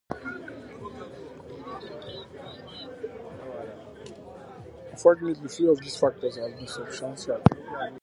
Unfortunately few of these factors have been substantiated.